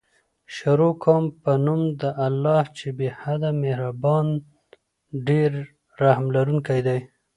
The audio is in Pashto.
شروع کوم په نوم د الله چې بې حده مهربان ډير رحم لرونکی دی